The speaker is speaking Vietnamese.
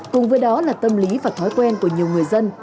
cùng với đó là tâm lý và thói quen của nhiều người dân